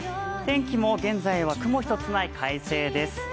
天気も現在は雲一つない快晴です。